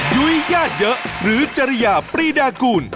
ยุ้ยญาติเยอะหรือจริยาปรีดากูล